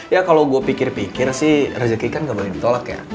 ya kalau gue pikir pikir sih rezeki kan gak boleh ditolak ya